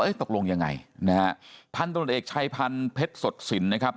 ว่าตกลงยังไงนะครับท่านตลอดเอกชัยพันธ์เพชรสดสินนะครับ